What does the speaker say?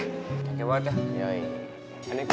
thank you banget ya